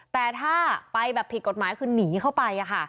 แต่ถ้าไปแบบผิดกฎหมายคือหนีเข้าไป